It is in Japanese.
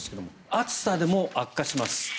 暑さでも悪化します。